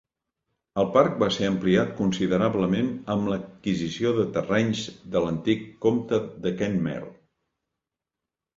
El parc va ser ampliat considerablement amb l'adquisició de terrenys de l'antic Comte de Kenmare.